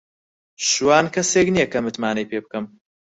شوان کەسێک نییە کە متمانەی پێ بکەم.